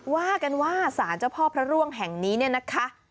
ว่ากันว่าสารเจ้าพ่อพระร่วงแห่งนี้เนี่ยนะคะ